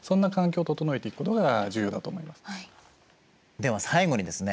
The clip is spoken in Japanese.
では最後にですね